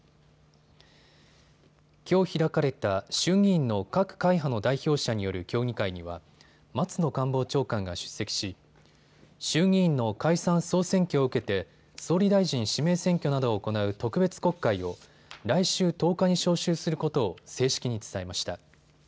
きょう開かれた衆議院の各会派の代表者による協議会には松野官房長官が出席し衆議院の解散・総選挙を受けて総理大臣指名選挙などを行う特別国会を来週１０日に召集することを正式に伝えました。